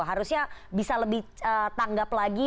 harusnya bisa lebih tanggap lagi